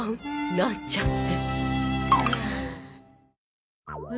なんちゃって。